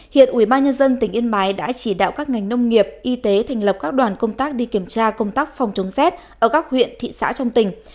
hiện ubnd tỉnh yên bái đã chỉ đạo các ngành nông nghiệp y tế thành lập các đoàn công tác đi kiểm tra công tác phòng chống rét ở các huyện thị xã trong tỉnh